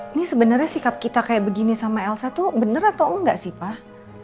ini sebenarnya sikap kita kayak begini sama elsa tuh bener atau enggak sih pak